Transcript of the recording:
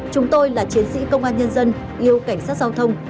chúng tôi là chiến sĩ công an nhân dân yêu cảnh sát giao thông